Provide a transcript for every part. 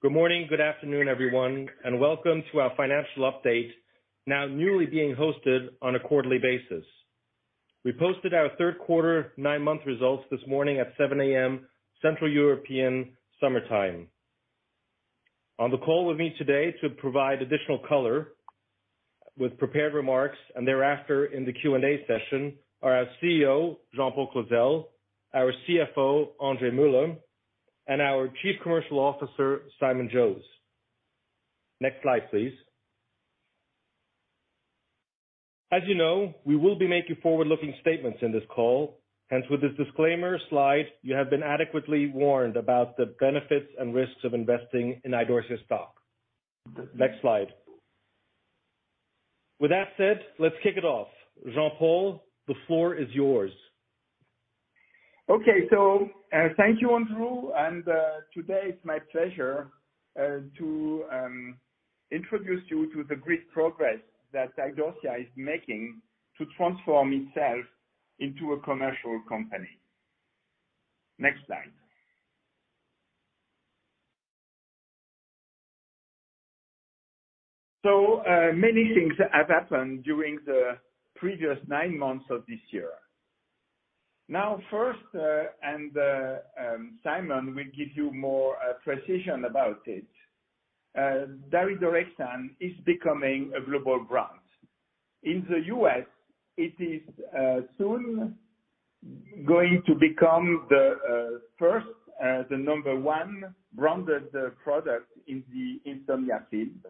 Good morning. Good afternoon, everyone, and welcome to our financial update, now newly being hosted on a quarterly basis. We posted our third quarter nine month results this morning at 7 A.M. Central European Summer Time. On the call with me today to provide additional color with prepared remarks and thereafter in the Q&A session are our CEO, Jean-Paul Clozel, our CFO, André Muller, and our Chief Commercial Officer, Simon Jose. Next slide, please. As you know, we will be making forward-looking statements in this call. Hence, with this disclaimer slide, you have been adequately warned about the benefits and risks of investing in Idorsia stock. Next slide. With that said, let's kick it off. Jean-Paul, the floor is yours. Okay. Thank you, Andrew. Today it's my pleasure to introduce you to the great progress that Idorsia is making to transform itself into a commercial company. Next slide. Many things have happened during the previous nine months of this year. Now, first, Simon will give you more precision about it. Daridorexant is becoming a global brand. In the U.S., it is soon going to become the number one branded product in the insomnia field.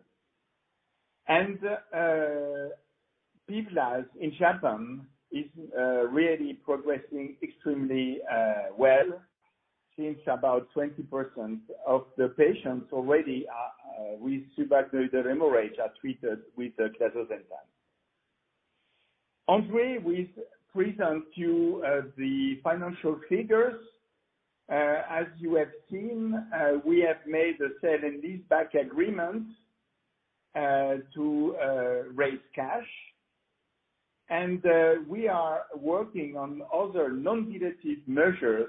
PIVLAZ in Japan is really progressing extremely well since about 20% of the patients already with severe hemorrhage are treated with clazosentan. André will present to you the financial figures. As you have seen, we have made the sale and leaseback agreement to raise cash. We are working on other non-dilutive measures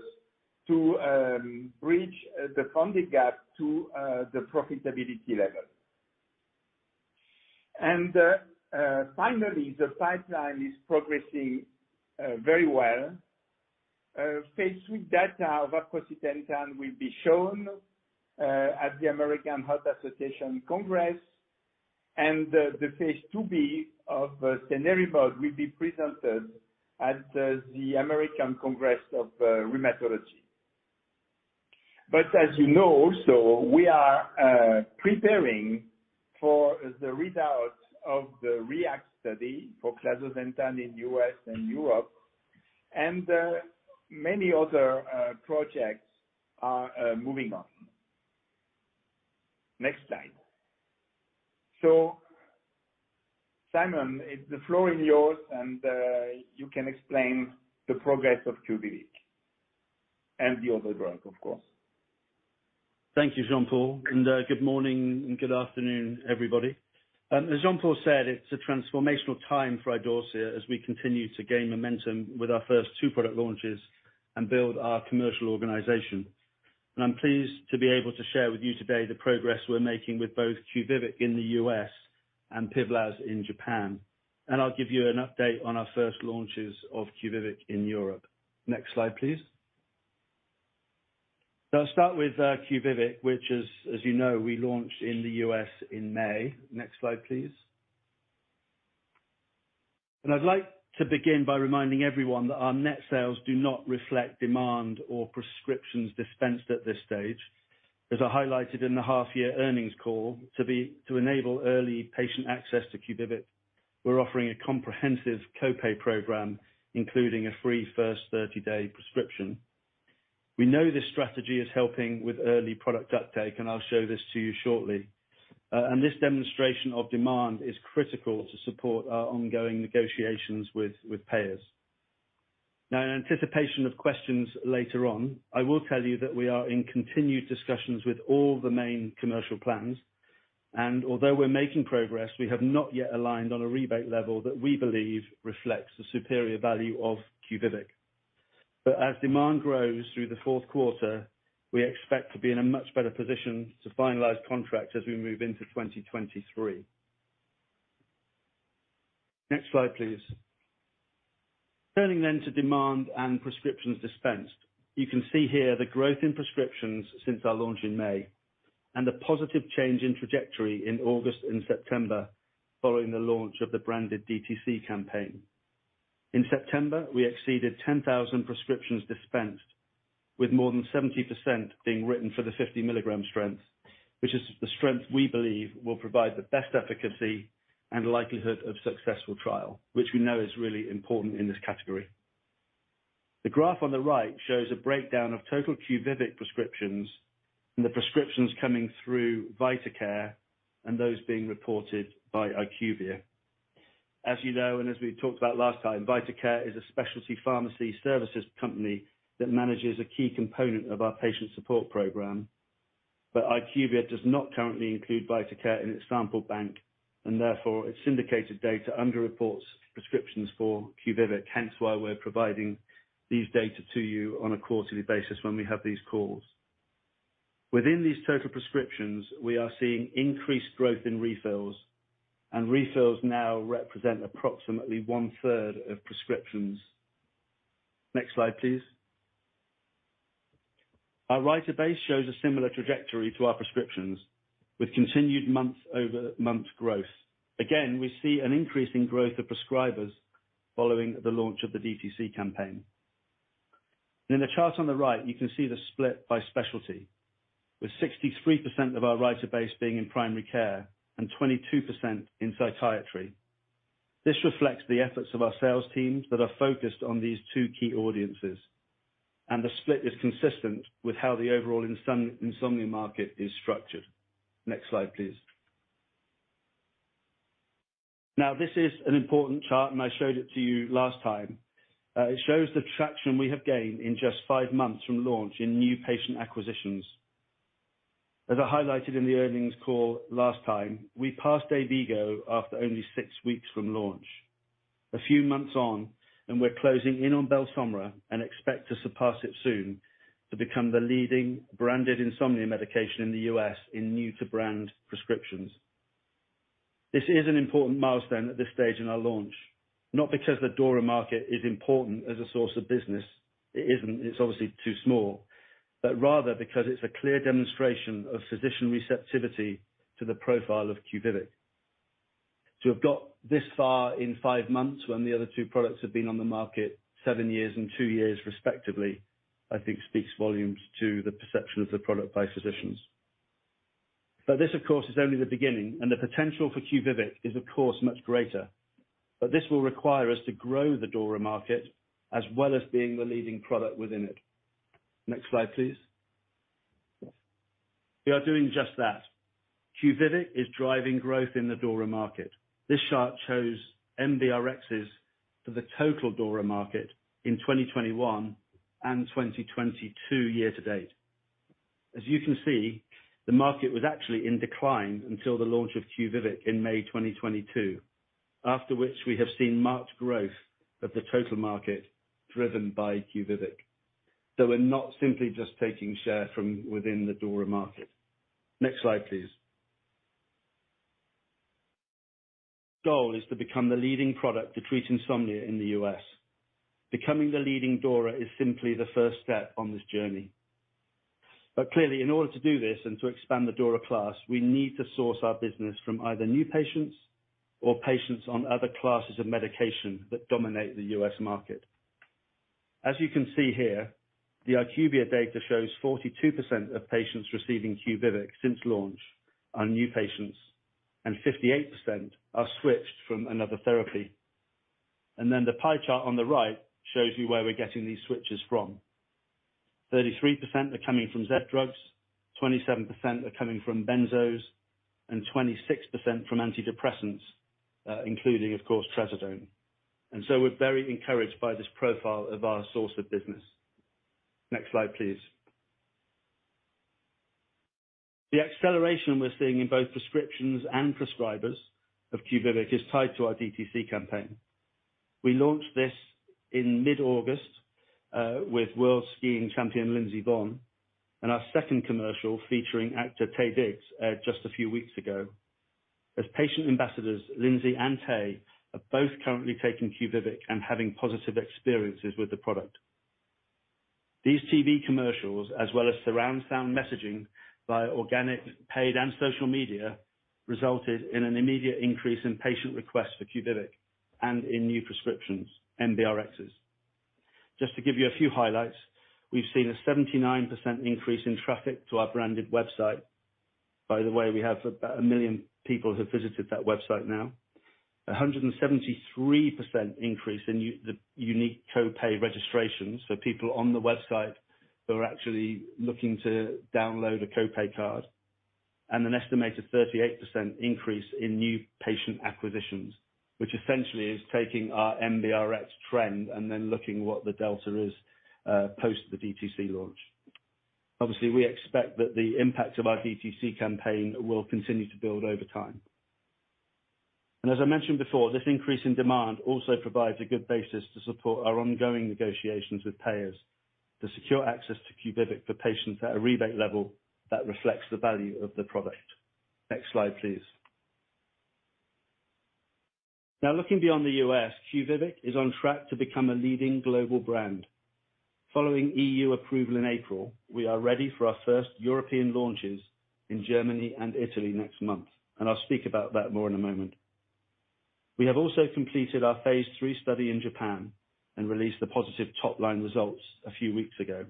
to bridge the funding gap to the profitability level. Finally, the pipeline is progressing very well. Phase II data of aprocitentan will be shown at the American Heart Association Congress, and the phase II-B of cenerimod will be presented at the American College of Rheumatology. As you know, we are preparing for the read out of the REACT study for clazosentan in U.S. and Europe, and many other projects are moving on. Next slide. Simon, the floor is yours, and you can explain the progress of QUVIVIQ and the other drug, of course. Thank you, Jean-Paul. Good morning and good afternoon, everybody. As Jean-Paul said, it's a transformational time for Idorsia as we continue to gain momentum with our first two product launches and build our commercial organization. I'm pleased to be able to share with you today the progress we're making with both QUVIVIQ in the U.S. and PIVLAZ in Japan. I'll give you an update on our first launches of QUVIVIQ in Europe. Next slide, please. I'll start with QUVIVIQ, which is, as you know, we launched in the U.S. in May. Next slide, please. I'd like to begin by reminding everyone that our net sales do not reflect demand or prescriptions dispensed at this stage. As I highlighted in the half year earnings call, to enable early patient access to QUVIVIQ, we're offering a comprehensive co-pay program, including a free first 30 day prescription. We know this strategy is helping with early product uptake, and I'll show this to you shortly. This demonstration of demand is critical to support our ongoing negotiations with payers. In anticipation of questions later on, I will tell you that we are in continued discussions with all the main commercial plans. Although we're making progress, we have not yet aligned on a rebate level that we believe reflects the superior value of QUVIVIQ. As demand grows through the fourth quarter, we expect to be in a much better position to finalize contracts as we move into 2023. Next slide, please. Turning then to demand and prescriptions dispensed. You can see here the growth in prescriptions since our launch in May, and the positive change in trajectory in August and September following the launch of the branded DTC campaign. In September, we exceeded 10,000 prescriptions dispensed with more than 70% being written for the 50 mg strength, which is the strength we believe will provide the best efficacy and likelihood of successful trial, which we know is really important in this category. The graph on the right shows a breakdown of total QUVIVIQ prescriptions, and the prescriptions coming through VitaCare and those being reported by IQVIA. As you know, and as we talked about last time, VitaCare is a specialty pharmacy services company that manages a key component of our patient support program. IQVIA does not currently include VitaCare in its sample bank. Therefore, its syndicated data under-reports prescriptions for QUVIVIQ. Hence why we're providing these data to you on a quarterly basis when we have these calls. Within these total prescriptions, we are seeing increased growth in refills, and refills now represent approximately 1/3 of prescriptions. Next slide, please. Our writer base shows a similar trajectory to our prescriptions with continued month-over-month growth. Again, we see an increase in growth of prescribers following the launch of the DTC campaign. In the chart on the right, you can see the split by specialty, with 63% of our writer base being in primary care and 22% in psychiatry. This reflects the efforts of our sales team that are focused on these two key audiences, and the split is consistent with how the overall insomnia market is structured. Next slide, please. Now, this is an important chart, and I showed it to you last time. It shows the traction we have gained in just five months from launch in new patient acquisitions. As I highlighted in the earnings call last time, we passed DAYVIGO after only six weeks from launch. A few months on, and we're closing in on BELSOMRA and expect to surpass it soon to become the leading branded insomnia medication in the U.S. in new-to-brand prescriptions. This is an important milestone at this stage in our launch, not because the DORA market is important as a source of business. It isn't. It's obviously too small. Rather because it's a clear demonstration of physician receptivity to the profile of QUVIVIQ. To have got this far in five months when the other two products have been on the market seven years and two years, respectively, I think speaks volumes to the perception of the product by physicians. This, of course, is only the beginning, and the potential for QUVIVIQ is, of course, much greater. This will require us to grow the DORA market, as well as being the leading product within it. Next slide, please. We are doing just that. QUVIVIQ is driving growth in the DORA market. This chart shows MBRXs for the total DORA market in 2021 and 2022 year to date. As you can see, the market was actually in decline until the launch of QUVIVIQ in May 2022. After which we have seen marked growth of the total market driven by QUVIVIQ. We're not simply just taking share from within the DORA market. Next slide, please. Goal is to become the leading product to treat insomnia in the U.S. Becoming the leading DORA is simply the first step on this journey. Clearly, in order to do this and to expand the DORA class, we need to source our business from either new patients or patients on other classes of medication that dominate the U.S. market. As you can see here, the IQVIA data shows 42% of patients receiving QUVIVIQ since launch are new patients, and 58% are switched from another therapy. The pie chart on the right shows you where we're getting these switches from. 33% are coming from Z-drugs, 27% are coming from benzos, and 26% from antidepressants, including, of course, trazodone. We're very encouraged by this profile of our source of business. Next slide, please. The acceleration we're seeing in both prescriptions and prescribers of QUVIVIQ is tied to our DTC campaign. We launched this in mid-August with world skiing champion Lindsey Vonn, and our second commercial featuring actor Taye Diggs just a few weeks ago. As patient ambassadors, Lindsey and Taye are both currently taking QUVIVIQ and having positive experiences with the product. These TV commercials, as well as surround sound messaging by organic, paid, and social media, resulted in an immediate increase in patient requests for QUVIVIQ and in new prescriptions, MBRXs. Just to give you a few highlights, we've seen a 79% increase in traffic to our branded website. By the way, we have about one million people who have visited that website now. 173% increase in the unique co-pay registrations for people on the website who are actually looking to download a co-pay card. An estimated 38% increase in new patient acquisitions, which essentially is taking our MBRX trend and then looking what the delta is, post the DTC launch. Obviously, we expect that the impact of our DTC campaign will continue to build over time. As I mentioned before, this increase in demand also provides a good basis to support our ongoing negotiations with payers to secure access to QUVIVIQ for patients at a rebate level that reflects the value of the product. Next slide, please. Now, looking beyond the U.S., QUVIVIQ is on track to become a leading global brand. Following E.U. approval in April, we are ready for our first European launches in Germany and Italy next month, and I'll speak about that more in a moment. We have also completed our phase III study in Japan and released the positive top-line results a few weeks ago.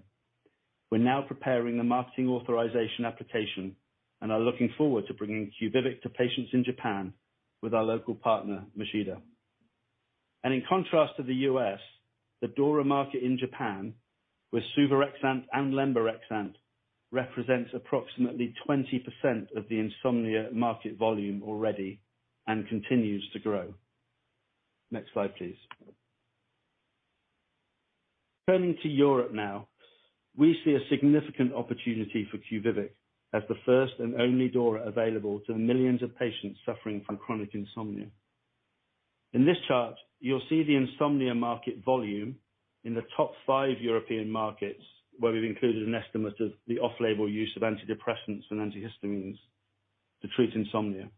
We're now preparing the Marketing Authorisation Application and are looking forward to bringing QUVIVIQ to patients in Japan with our local partner, Mochida. In contrast to the U.S., the DORA market in Japan, with suvorexant and lemborexant, represents approximately 20% of the insomnia market volume already and continues to grow. Next slide, please. Turning to Europe now, we see a significant opportunity for QUVIVIQ as the first and only DORA available to the millions of patients suffering from chronic insomnia. In this chart, you'll see the insomnia market volume in the top five European markets, where we've included an estimate of the off-label use of antidepressants and antihistamines to treat insomnia.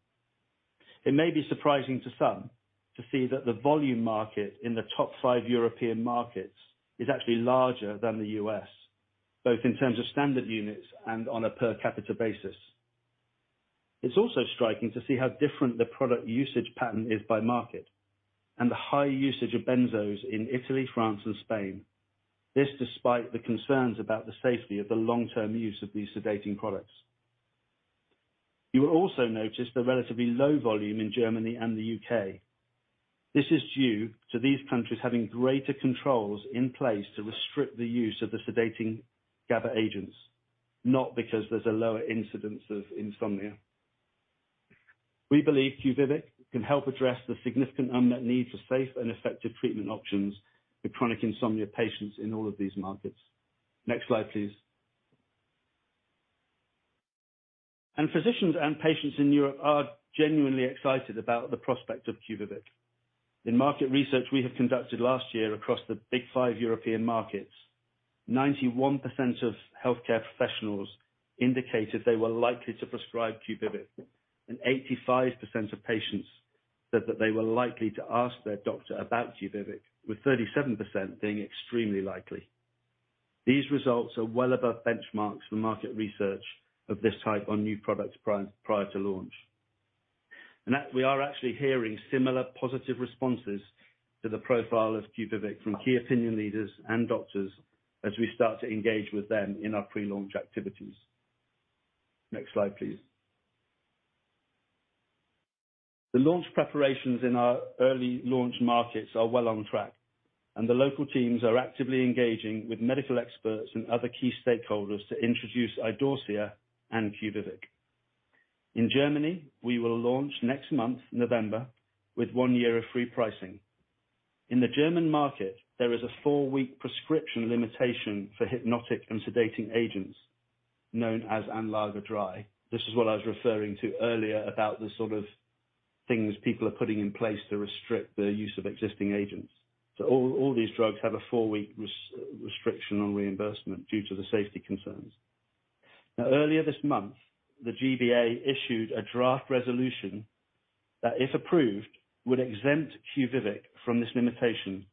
It may be surprising to some to see that the volume market in the top five European markets is actually larger than the U.S., both in terms of standard units and on a per capita basis. It's also striking to see how different the product usage pattern is by market and the high usage of benzos in Italy, France and Spain. This despite the concerns about the safety of the long-term use of these sedating products. You will also notice the relatively low volume in Germany and the U.K. This is due to these countries having greater controls in place to restrict the use of the sedating GABA agents, not because there's a lower incidence of insomnia. We believe QUVIVIQ can help address the significant unmet need for safe and effective treatment options for chronic insomnia patients in all of these markets. Next slide, please. Physicians and patients in Europe are genuinely excited about the prospect of QUVIVIQ. In market research we have conducted last year across the big five European markets, 91% of healthcare professionals indicated they were likely to prescribe QUVIVIQ, and 85% of patients said that they were likely to ask their doctor about QUVIVIQ, with 37% being extremely likely. These results are well above benchmarks for market research of this type on new products prior to launch. We are actually hearing similar positive responses to the profile of QUVIVIQ from key opinion leaders and doctors as we start to engage with them in our pre-launch activities. Next slide, please. The launch preparations in our early launch markets are well on track, and the local teams are actively engaging with medical experts and other key stakeholders to introduce Idorsia and QUVIVIQ. In Germany, we will launch next month, November, with one year of free pricing. In the German market, there is a four-week prescription limitation for hypnotic and sedating agents known as Anlage III. This is what I was referring to earlier about the sort of things people are putting in place to restrict the use of existing agents. All these drugs have a four-week restriction on reimbursement due to the safety concerns. Now, earlier this month, the G-BA issued a draft resolution that, if approved, would exempt QUVIVIQ from this limitation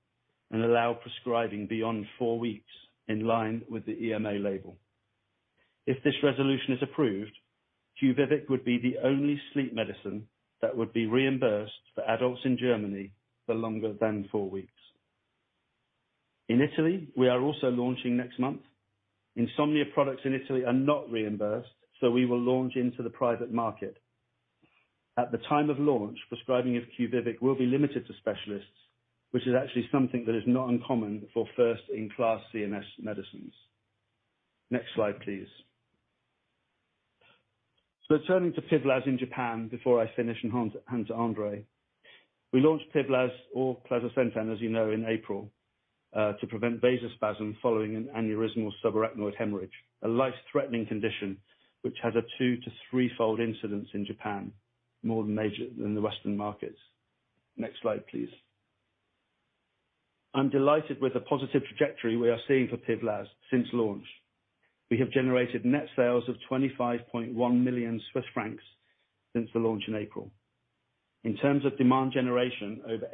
and allow prescribing beyond four weeks in line with the EMA label. If this resolution is approved, QUVIVIQ would be the only sleep medicine that would be reimbursed for adults in Germany for longer than four weeks. In Italy, we are also launching next month. Insomnia products in Italy are not reimbursed, so we will launch into the private market. At the time of launch, prescribing of QUVIVIQ will be limited to specialists, which is actually something that is not uncommon for first-in-class CNS medicines. Next slide, please. Turning to PIVLAZ in Japan before I finish and hand to André. We launched PIVLAZ or clazosentan, as you know, in April to prevent vasospasm following an aneurysmal subarachnoid hemorrhage, a life-threatening condition which has a two- to threefold incidence in Japan, more than the Western markets. Next slide, please. I'm delighted with the positive trajectory we are seeing for PIVLAZ since launch. We have generated net sales of 25.1 million Swiss francs since the launch in April. In terms of demand generation, over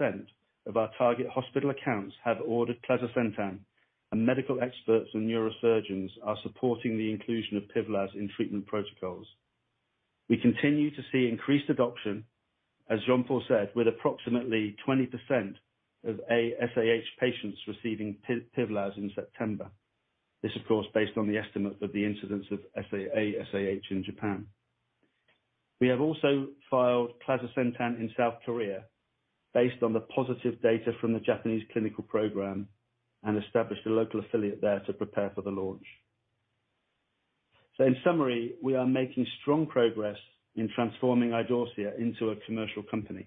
80% of our target hospital accounts have ordered clazosentan, and medical experts and neurosurgeons are supporting the inclusion of PIVLAZ in treatment protocols. We continue to see increased adoption, as Jean-Paul said, with approximately 20% of ASAH patients receiving PIVLAZ in September. This, of course, based on the estimate of the incidence of ASAH in Japan. We have also filed clazosentan in South Korea based on the positive data from the Japanese clinical program and established a local affiliate there to prepare for the launch. In summary, we are making strong progress in transforming Idorsia into a commercial company.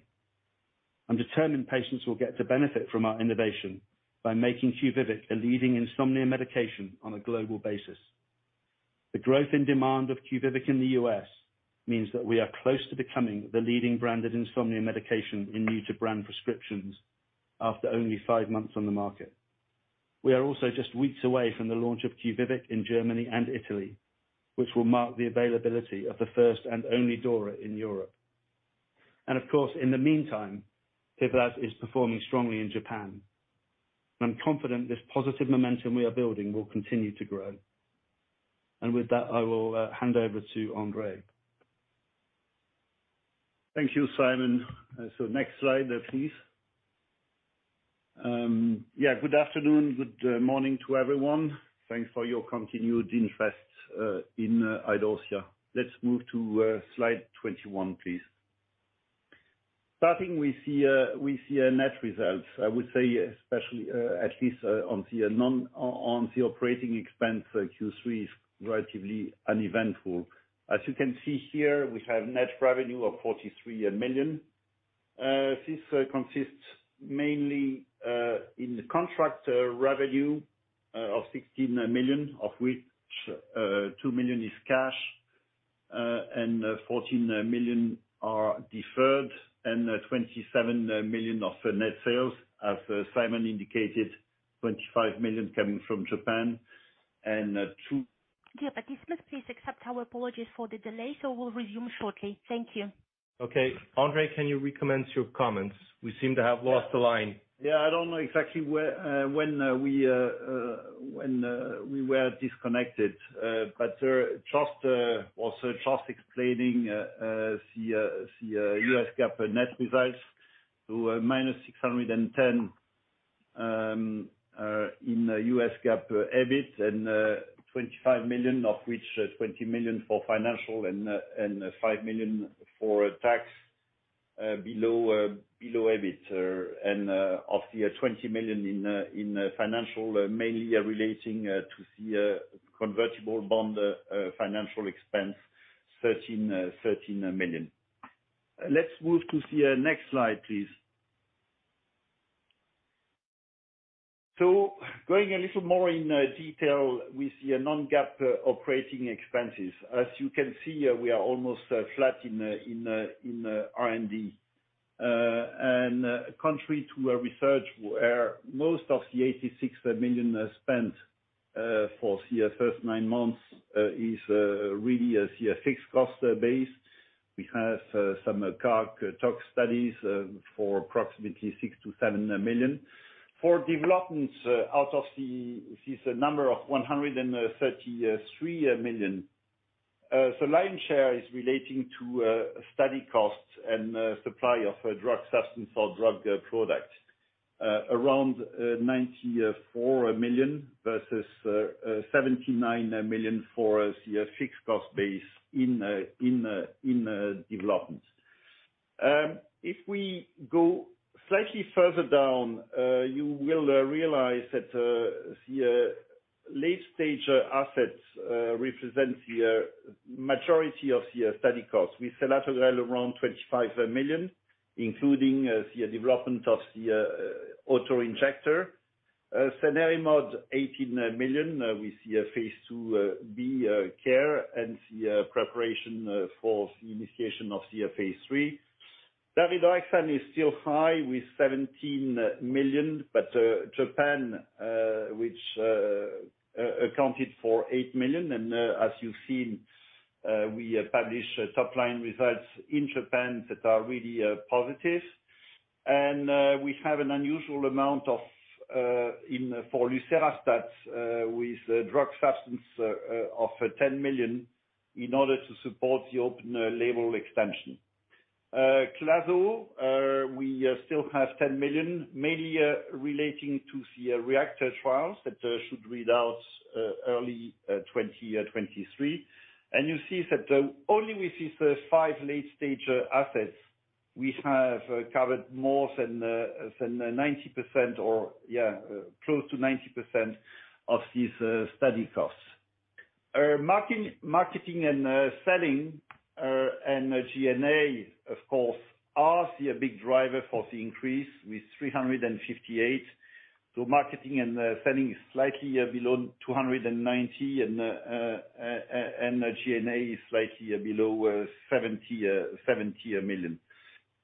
I'm determined patients will get to benefit from our innovation by making QUVIVIQ a leading insomnia medication on a global basis. The growth and demand of QUVIVIQ in the U.S. means that we are close to becoming the leading branded insomnia medication in new-to-brand prescriptions after only five months on the market. We are also just weeks away from the launch of QUVIVIQ in Germany and Italy, which will mark the availability of the first and only DORA in Europe. Of course, in the meantime, PIVLAZ is performing strongly in Japan. I'm confident this positive momentum we are building will continue to grow. With that, I will hand over to André. Thank you, Simon. Next slide, please. Yeah, good afternoon, good morning to everyone. Thanks for your continued interest in Idorsia. Let's move to slide 21, please. Starting with the net results, I would say especially at least on the non-operating expense for Q3 is relatively uneventful. As you can see here, we have net revenue of 43 million. This consists mainly in the contract revenue of 16 million, of which 2 million is cash, and 14 million are deferred, and 27 million of net sales. As Simon indicated, 25 million coming from Japan, and two- Dear participants, please accept our apologies for the delay. We'll resume shortly. Thank you. Okay. André, can you recommence your comments? We seem to have lost the line. Yeah. I don't know exactly where when we were disconnected. Just also explaining the U.S. GAAP net results to CHF -610 in U.S. GAAP EBIT and 25 million, of which 20 million for financial and 5 million for tax below EBIT. Of the 20 million in financial, mainly relating to the convertible bond financial expense, 13 million. Let's move to see next slide, please. Going a little more in detail with the non-GAAP operating expenses. As you can see, we are almost flat in R&D. Contrary to our research, where most of the 86 million is spent for the first nine months is really a CHF cost base. We have some cardiotox studies for approximately 6 million-7 million. For development, out of this number of 133 million, the lion's share is relating to study costs and supply of drug substance or drug product, around 94 million versus 79 million for a CHF cost base in development. If we go slightly further down, you will realize that the late stage assets represent the majority of the study costs. With selatogrel around 25 million, including the development of the auto-injector. Aprocitentan, CHF 18 million with the phase II-B and the preparation for the initiation of the phase III. Daridorexant is still high with 17 million, but Japan, which accounted for 8 million, and as you've seen, we published top line results in Japan that are really positive. We have an unusual amount for lucerastat with drug substance of 10 million in order to support the open label extension. Clazosentan, we still have 10 million, mainly relating to the REACT trials that should read out early 2023. You see that only with these five late stage assets, we have covered more than 90% or yeah, close to 90% of these study costs. Marketing and selling and G&A, of course, are the big driver for the increase with 358 million. Marketing and selling is slightly below 290 million and G&A is slightly below 70 million.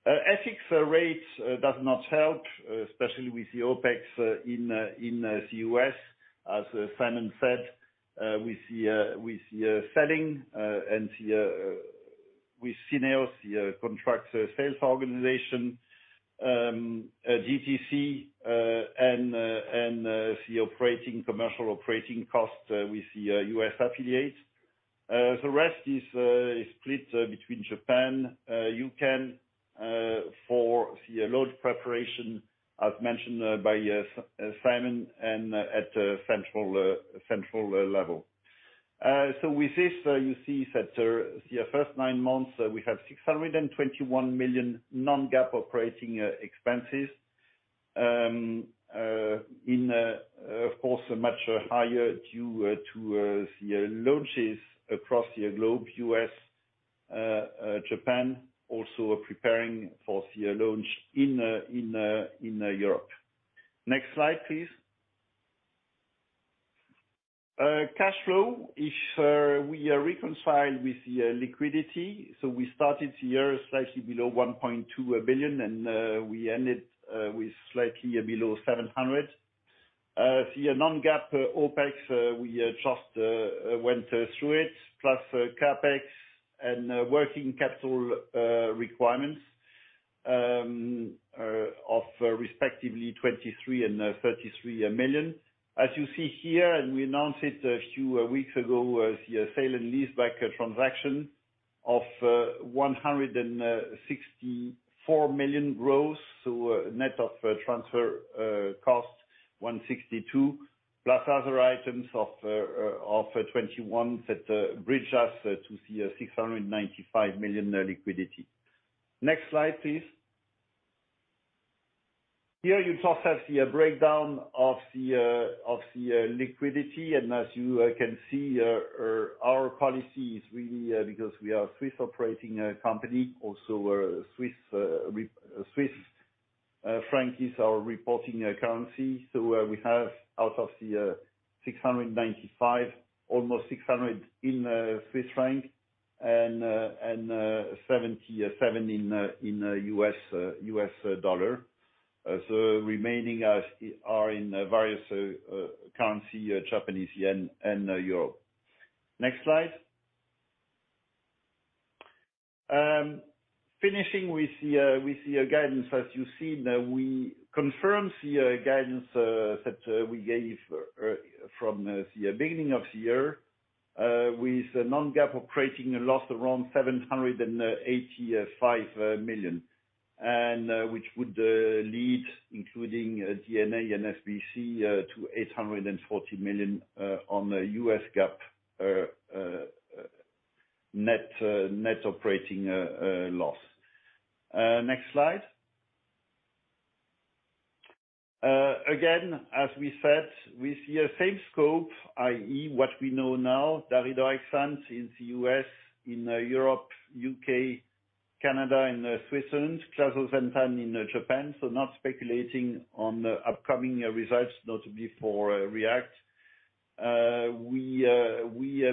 FX rates does not help, especially with the OPEX in the U.S.. As Simon said, with the selling and Syneos, the contract sales organization, etc., and the commercial operating costs with the U.S. affiliate. The rest is split between Japan, U.K., for the launch preparation, as mentioned by Simon and at central level. With this, you see that the first nine months, we have 621 million non-GAAP operating expenses. Of course, much higher due to the launches across the globe, U.S., Japan also preparing for the launch in Europe. Next slide, please. Cash flow as reconciled with the liquidity. We started the year slightly below 1.2 billion, and we ended with slightly below 700 million. The non-GAAP OPEX we just went through it plus CapEx and working capital requirements of respectively 23 million and 33 million. As you see here, we announced it a few weeks ago, the sale and leaseback transaction of 164 million gross, so net of transfer costs 162 million plus other items of 21 million that bridge us to a 695 million liquidity. Next slide, please. Here you also see a breakdown of the liquidity. As you can see, our policy is really because we are Swiss operating company, also a Swiss franc is our reporting currency. We have out of the 695, almost 600 in Swiss francs and $77 in U.S. Dollars. The remaining are in various currencies, Japanese yen and euro. Next slide. Finishing with the guidance. As you see that we confirm the guidance that we gave from the beginning of the year with non-GAAP operating loss around 785 million, and which would lead, including G&A and SBC, to 840 million on the U.S. GAAP net operating loss. Next slide. Again, as we said, with the same scope, i.e., what we know now, daridorexant in the U.S., in Europe, U.K., Canada, and Switzerland, clazosentan in Japan. Not speculating on the upcoming results, notably for REACT. We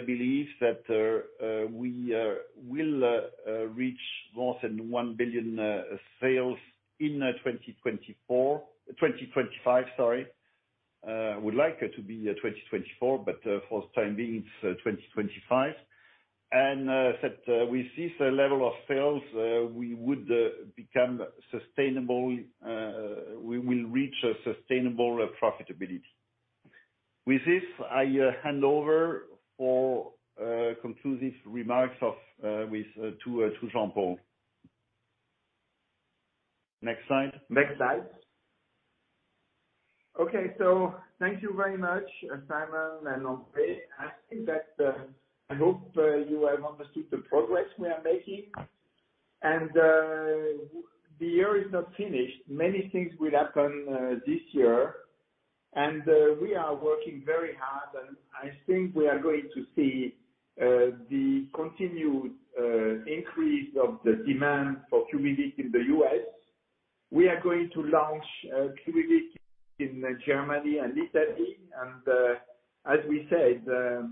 believe that we will reach more than 1 billion sales in 2025, sorry. Would like it to be 2024, but for the time being it's 2025. That with this level of sales, we would become sustainable. We will reach a sustainable profitability. With this, I hand over for conclusive remarks to Jean-Paul. Next slide. Next slide. Okay. Thank you very much, Simon and André. I think that I hope you have understood the progress we are making. The year is not finished. Many things will happen this year and we are working very hard, and I think we are going to see the continued increase of the demand for QUVIVIQ in the U.S. We are going to launch QUVIVIQ in Germany and Italy. As we said,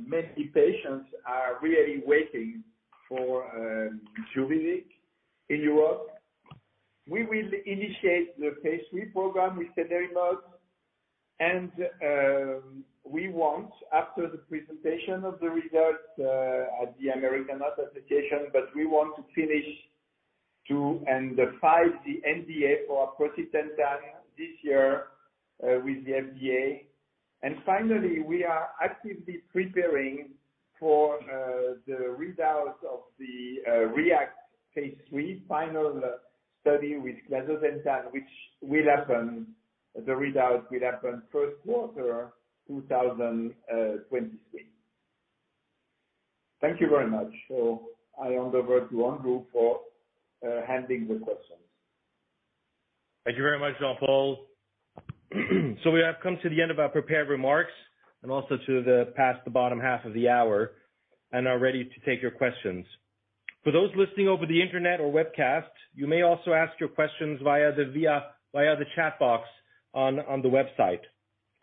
many patients are really waiting for QUVIVIQ in Europe. We will initiate the phase III program with cenerimod, and we want after the presentation of the results at the American Heart Association, but we want to file the NDA for aprocitentan this year with the FDA. Finally, we are actively preparing for the readout of the REACT phase III final study with clazosentan, which will happen first quarter 2023. Thank you very much. I hand over to Andrew for handling the questions. Thank you very much, Jean-Paul. We have come to the end of our prepared remarks and also past the bottom half of the hour and are ready to take your questions. For those listening over the Internet or webcast, you may also ask your questions via the chat box on the website.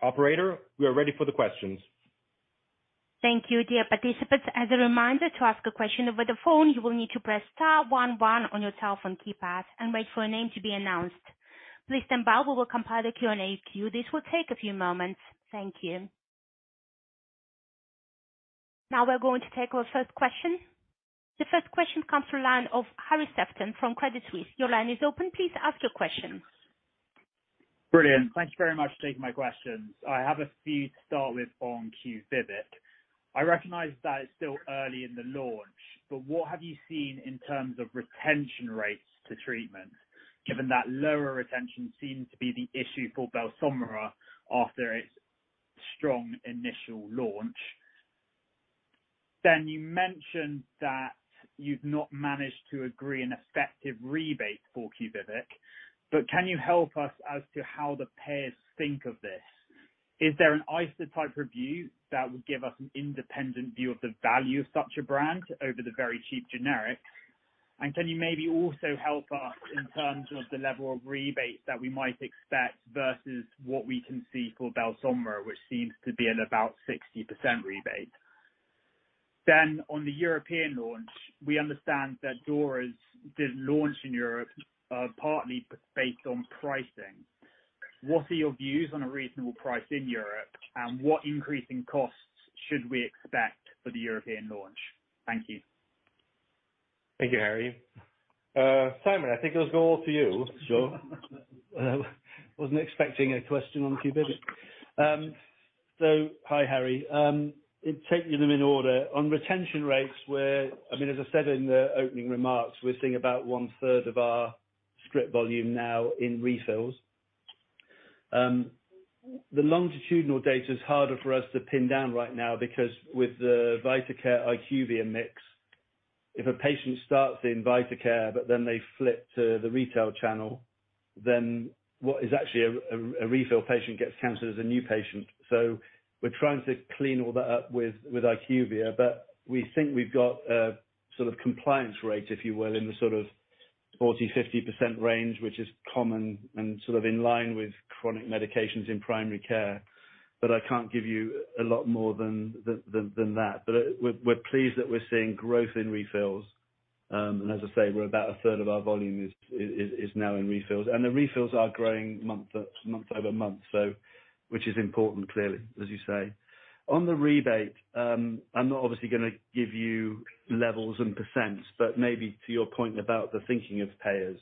Operator, we are ready for the questions. Thank you, dear participants. As a reminder to ask a question over the phone, you will need to press star one one on your telephone keypad and wait for a name to be announced. Please stand by, we will compile the Q&A queue. This will take a few moments. Thank you. Now we're going to take our first question. The first question comes from line of Harry Sephton from Credit Suisse. Your line is open. Please ask your question. Brilliant. Thank you very much for taking my questions. I have a few to start with on QUVIVIQ. I recognize that it's still early in the launch, but what have you seen in terms of retention rates to treatment, given that lower retention seems to be the issue for BELSOMRA after its strong initial launch? You mentioned that you've not managed to agree an effective rebate for QUVIVIQ, but can you help us as to how the payers think of this? Is there an ICER-type review that would give us an independent view of the value of such a brand over the very cheap generics? Can you maybe also help us in terms of the level of rebates that we might expect versus what we can see for BELSOMRA, which seems to be at about 60% rebate? On the European launch, we understand that DORA's launch in Europe, partly based on pricing. What are your views on a reasonable price in Europe? What increase in costs should we expect for the European launch? Thank you. Thank you, Harry. Simon, I think those go all to you. Sure. I wasn't expecting a question on QUVIVIQ. Hi, Harry. In taking them in order on retention rates where, I mean, as I said in the opening remarks, we're seeing about 1/3 of our script volume now in refills. The longitudinal data is harder for us to pin down right now because with the VitaCare IQVIA mix. If a patient starts in VitaCare, but then they flip to the retail channel, then what is actually a refill patient gets counted as a new patient. We're trying to clean all that up with IQVIA, but we think we've got a sort of compliance rate, if you will, in the sort of 40-50% range, which is common and sort of in line with chronic medications in primary care. I can't give you a lot more than that. We're pleased that we're seeing growth in refills. As I say, we're about 1/3 of our volume is now in refills. The refills are growing month-over-month, which is important, clearly, as you say. On the rebate, I'm not obviously gonna give you levels and percents, but maybe to your point about the thinking of payers.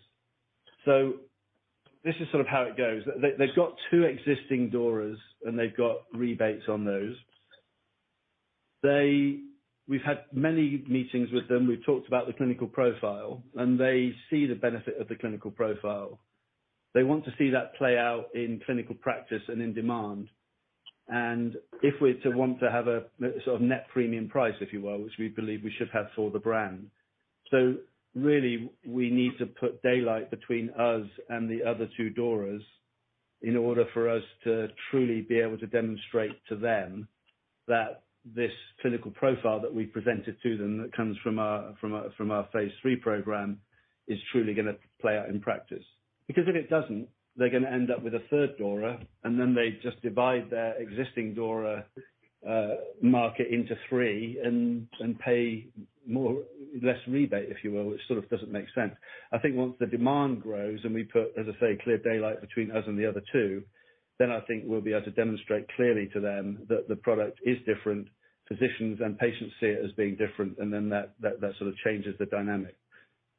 This is sort of how it goes. They've got two existing DORAs and they've got rebates on those. We've had many meetings with them. We've talked about the clinical profile, and they see the benefit of the clinical profile. They want to see that play out in clinical practice and in demand. If we're to want to have a sort of net premium price, if you will, which we believe we should have for the brand. Really, we need to put daylight between us and the other two DORAs in order for us to truly be able to demonstrate to them that this clinical profile that we presented to them that comes from our phase III program is truly gonna play out in practice. Because if it doesn't, they're gonna end up with a third DORA, and then they just divide their existing DORA market into three and pay less rebate, if you will, which sort of doesn't make sense. I think once the demand grows and we put, as I say, clear daylight between us and the other two, then I think we'll be able to demonstrate clearly to them that the product is different, physicians and patients see it as being different, and then that sort of changes the dynamic.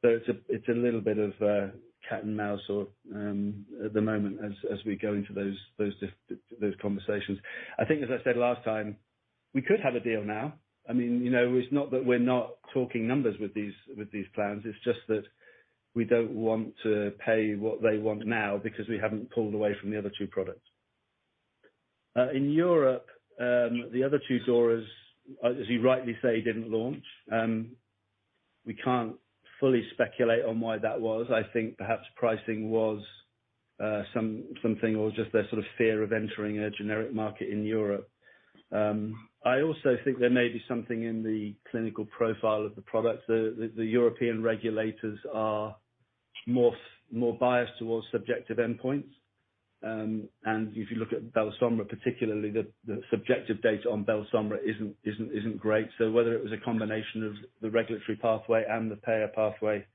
It's a little bit of a cat and mouse or at the moment as we go into those conversations. I think as I said last time, we could have a deal now. I mean, you know, it's not that we're not talking numbers with these plans, it's just that we don't want to pay what they want now because we haven't pulled away from the other two products. In Europe, the other two DORAs, as you rightly say, didn't launch. We can't fully speculate on why that was. I think perhaps pricing was something or just their sort of fear of entering a generic market in Europe. I also think there may be something in the clinical profile of the product. The European regulators are more biased towards subjective endpoints. If you look at BELSOMRA, particularly the subjective data on BELSOMRA isn't great. Whether it was a combination of the regulatory pathway and the payer pathway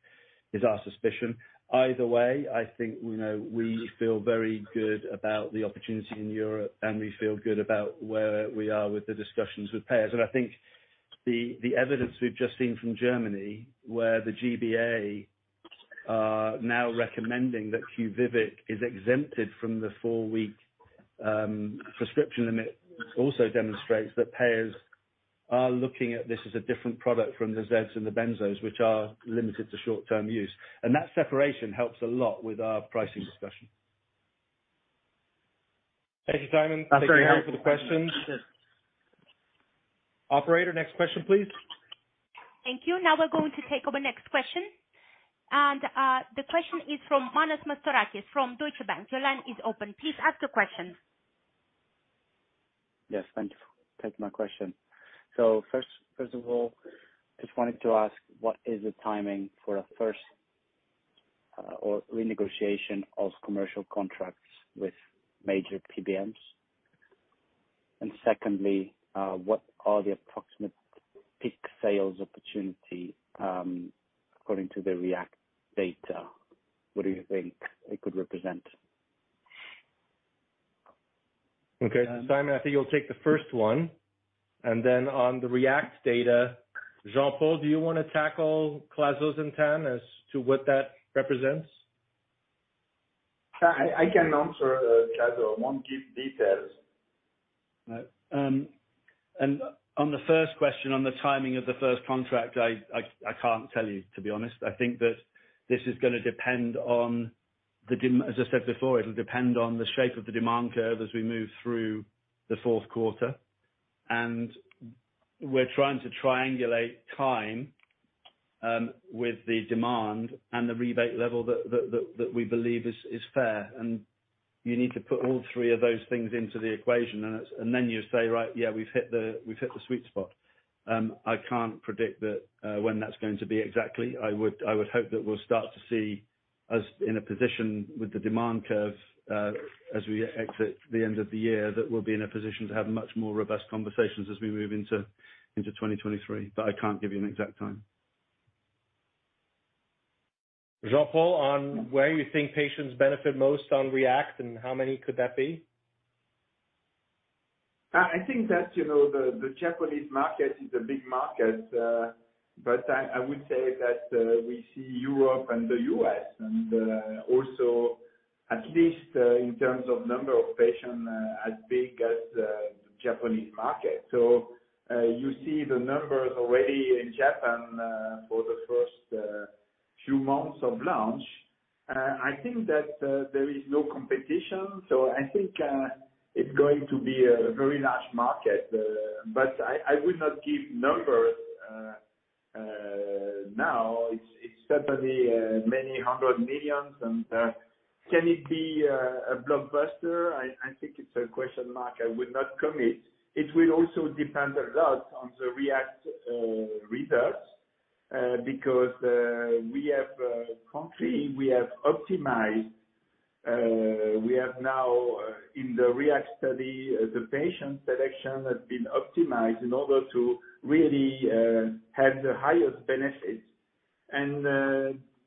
is our suspicion. Either way, I think, you know, we feel very good about the opportunity in Europe, and we feel good about where we are with the discussions with payers. I think the evidence we've just seen from Germany, where the G-BA are now recommending that QUVIVIQ is exempted from the four-week prescription limit, also demonstrates that payers are looking at this as a different product from the zeds and the benzos, which are limited to short-term use. That separation helps a lot with our pricing discussion. Thank you, Simon. Thank you for the questions. Operator, next question, please. Thank you. Now we're going to take our next question. The question is from Manos Mastorakis from Deutsche Bank. Your line is open. Please ask your question. Yes, thank you for taking my question. First of all, just wanted to ask, what is the timing for a first or renegotiation of commercial contracts with major PBMs? Secondly, what are the approximate peak sales opportunity, according to the REACT data? What do you think it could represent? Okay. Simon, I think you'll take the first one. On the REACT data, Jean-Paul, do you wanna tackle clazosentan as to what that represents? I can answer. I won't give details. All right. On the first question, on the timing of the first contract, I can't tell you, to be honest. I think that this is gonna depend on, as I said before, it'll depend on the shape of the demand curve as we move through the fourth quarter. We're trying to triangulate time with the demand and the rebate level that we believe is fair. You need to put all three of those things into the equation and then you say, "Right, yeah, we've hit the sweet spot." I can't predict when that's going to be exactly. I would hope that we'll start to see us in a position with the demand curve as we exit the end of the year, that we'll be in a position to have much more robust conversations as we move into 2023, but I can't give you an exact time. Jean-Paul, on where you think patients benefit most on REACT and how many could that be? I think that, you know, the Japanese market is a big market, but I would say that we see Europe and the U.S. and also at least in terms of number of patients as big as the Japanese market. You see the numbers already in Japan for few months of launch. I think that there is no competition. I think it's going to be a very large market. But I would not give numbers now. It's certainly many hundreds of millions and can it be a blockbuster? I think it's a question mark. I would not commit. It will also depend a lot on the REACT results because we have optimized. We have now in the REACT study the patient selection has been optimized in order to really have the highest benefits.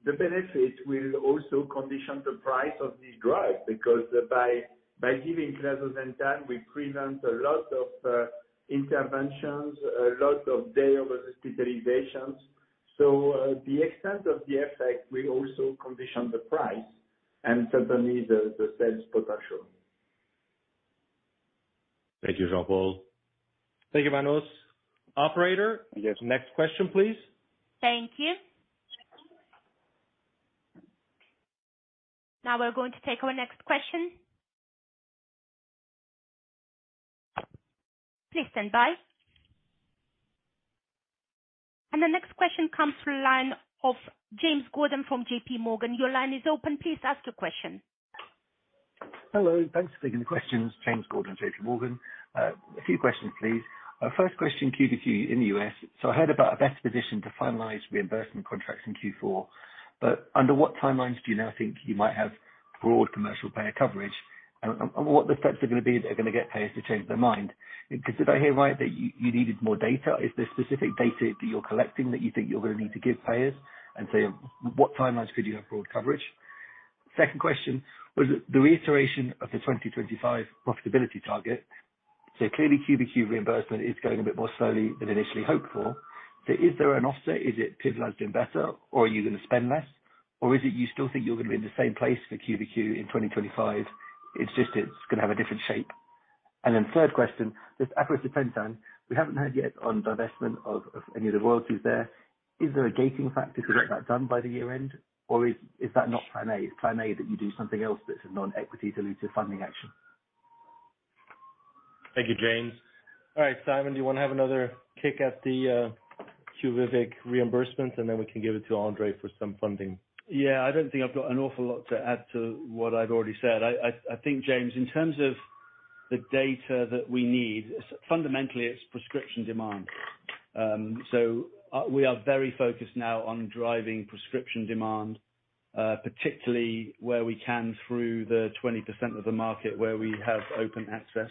The benefit will also condition the price of this drug because by giving clazosentan we prevent a lot of interventions, a lot of days of hospitalization. The extent of the effect will also condition the price and certainly the sales potential. Thank you, Jean-Paul. Thank you, Manos. Operator? Yes. Next question, please. Thank you. Now we're going to take our next question. Please stand by. The next question comes from the line of James Gordon from J.P. Morgan. Your line is open. Please ask your question. Hello. Thanks for taking the questions. James Gordon, JPMorgan. A few questions, please. Our first question, QUVIVIQ in the U.S. I heard about a best position to finalize reimbursement contracts in Q4, but under what timelines do you now think you might have broad commercial payer coverage? What the steps are gonna be that are gonna get payers to change their mind? Because did I hear right that you needed more data? Is there specific data that you're collecting that you think you're gonna need to give payers? What timelines could you have broad coverage? Second question was the reiteration of the 2025 profitability target. Clearly QUVIVIQ reimbursement is going a bit more slowly than initially hoped for. Is there an offset? Is it PIVLAZ doing better? Or are you gonna spend less? Is it you still think you're gonna be in the same place for QUVIVIQ in 2025, it's just it's gonna have a different shape? Then third question, this aprocitentan, we haven't heard yet on divestment of any of the royalties there. Is there a gating factor to get that done by the year end? Is that not plan A? Is plan A that you do something else that's a non-equity dilutive funding action? Thank you, James. All right, Simon, do you wanna have another kick at the QUVIVIQ reimbursement, and then we can give it to André for some funding? Yeah. I don't think I've got an awful lot to add to what I've already said. I think, James, in terms of the data that we need, fundamentally it's prescription demand. We are very focused now on driving prescription demand, particularly where we can through the 20% of the market where we have open access.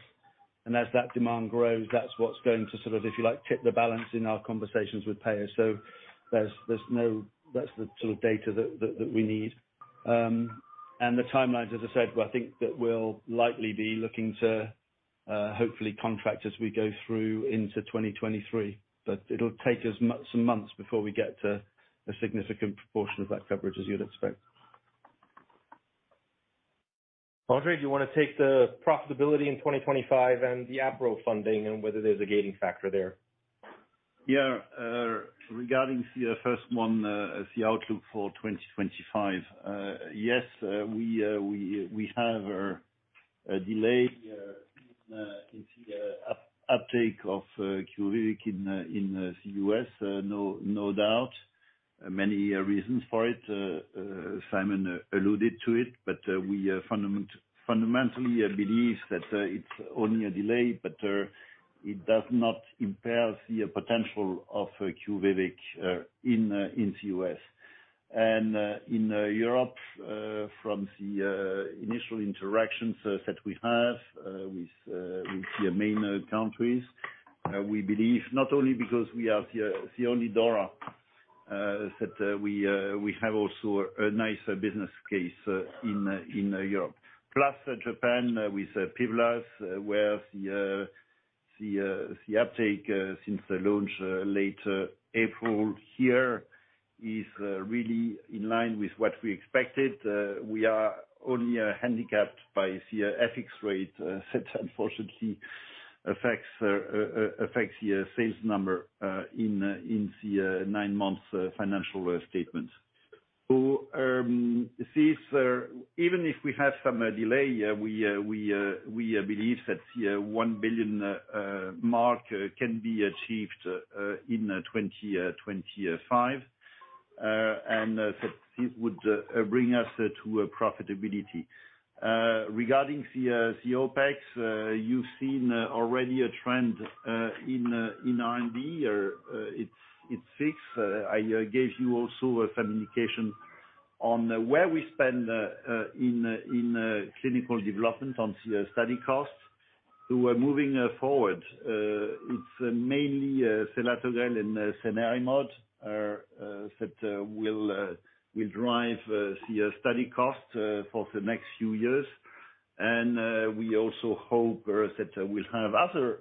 As that demand grows, that's what's going to sort of, if you like, tip the balance in our conversations with payers. There's no. That's the sort of data that we need. The timelines, as I said, I think that we'll likely be looking to hopefully contract as we go through into 2023, but it'll take us some months before we get to a significant proportion of that coverage, as you'd expect. André, do you wanna take the profitability in 2025 and the aprocitentan funding and whether there's a gating factor there? Yeah, regarding the first one, the outlook for 2025. Yes, we have a delay in the uptake of QUVIVIQ in the U.S. No doubt. Many reasons for it. Simon alluded to it, but we fundamentally believe that it's only a delay, but it does not impair the potential of QUVIVIQ in the U.S. In Europe, from the initial interactions that we have with the main countries, we believe not only because we are the only DORA that we have also a nice business case in Europe. Plus, Japan with PIVLAZ, where the uptake since the launch late April here is really in line with what we expected. We are only handicapped by the FX rate that unfortunately affects the sales number in the nine months financial statement. This, even if we have some delay, we believe that the 1 billion mark can be achieved in 2025. That this would bring us to a profitability. Regarding the OPEX, you've seen already a trend in R&D. It's fixed. I gave you also some indication on where we spend in clinical development on the study costs. We're moving forward. It's mainly selatogrel and cenerimod that will drive the study cost for the next few years. We also hope that we'll have other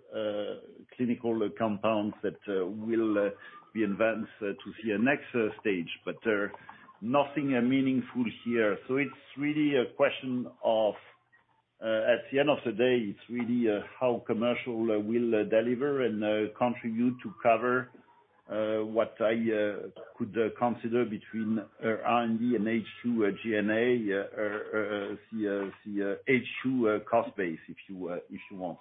clinical compounds that will be advanced to the next stage. Nothing meaningful here. At the end of the day, it's really how commercial will deliver and contribute to cover what I could consider between R&D and HQ or G&A, the HQ cost base, if you want.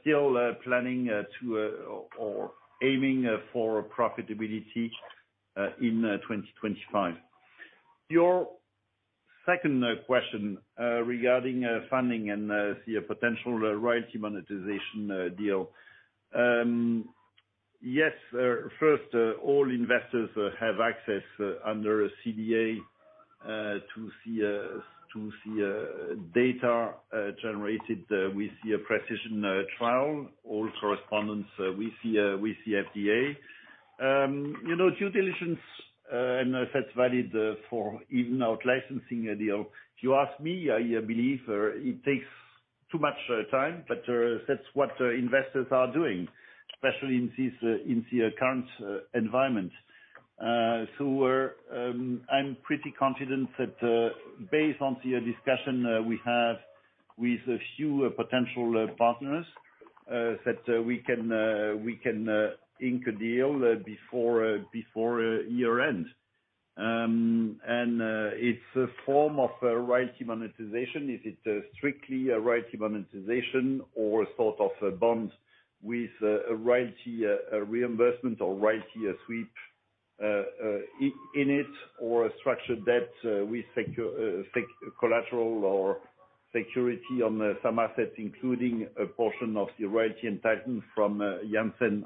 Still planning to or aiming for profitability in 2025. Your second question regarding funding and the potential royalty monetization deal. Yes, first, all investors have access under a CDA to see data generated with your PRECISION trial. All correspondence with the FDA. You know, due diligence, and that's valid for even out licensing a deal. If you ask me, I believe it takes too much time, but that's what investors are doing, especially in this current environment. I'm pretty confident that, based on the discussion that we have with a few potential partners, that we can ink a deal before year-end. It's a form of a royalty monetization. Is it strictly a royalty monetization or sort of a bond with a royalty reimbursement or royalty sweep, in it, or a structured debt with collateral or security on, some assets, including a portion of the royalty entitlement from Janssen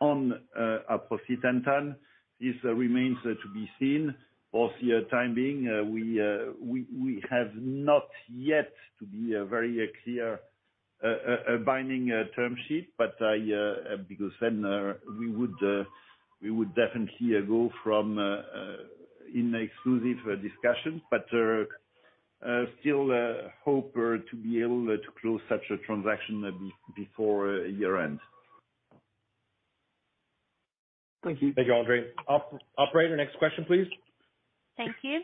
on, aprocitentan? This remains to be seen. For the time being, we have not yet a very clear binding term sheet, but because then, we would definitely go from in exclusive discussions, but still hope to be able to close such a transaction before year-end. Thank you. Thank you, André. Operator, next question, please. Thank you.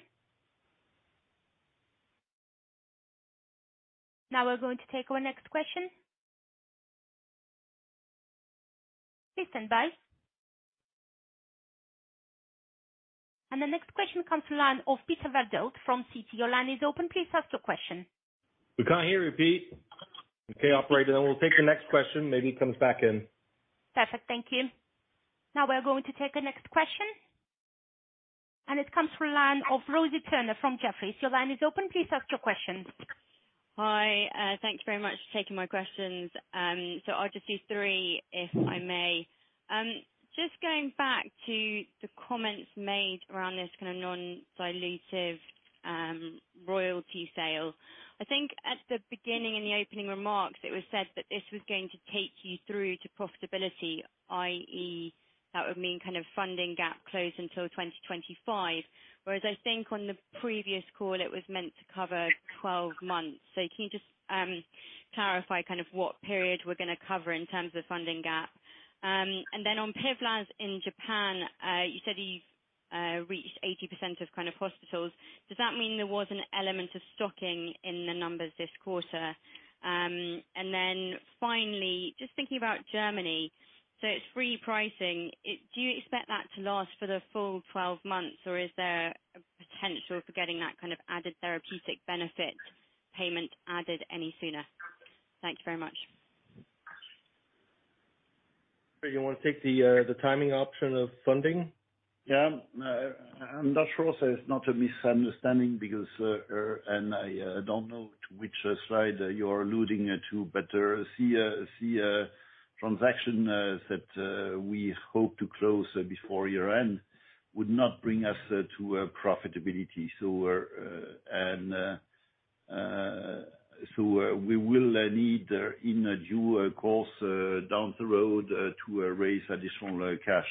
Now we're going to take our next question. Please stand by. The next question comes to line of Peter Welford from Jefferies. Your line is open. Please ask your question. We can't hear you, Pete. Okay, operator. We'll take the next question. Maybe he comes back in. Perfect. Thank you. Now we're going to take the next question. It comes from the line of Rosie Turner from Jefferies. Your line is open. Please ask your question. Hi. Thank you very much for taking my questions. I'll just do three, if I may. Just going back to the comments made around this kind of non-dilutive royalty sale. I think at the beginning in the opening remarks, it was said that this was going to take you through to profitability, i.e., that would mean kind of funding gap closed until 2025, whereas I think on the previous call it was meant to cover 12 months. Can you just clarify kind of what period we're gonna cover in terms of funding gap? And then on PIVLAZ in Japan, you said you reached 80% of kind of hospitals. Does that mean there was an element of stocking in the numbers this quarter? And then finally, just thinking about Germany, it's free pricing. Do you expect that to last for the full 12 months, or is there a potential for getting that kind of added therapeutic benefit payment added any sooner? Thank you very much. You wanna take the timing option of funding? Yeah. I'm not sure. It's not a misunderstanding because I don't know to which slide you're alluding it to, but the transaction that we hope to close before year-end would not bring us to profitability. We will need in due course down the road to raise additional cash.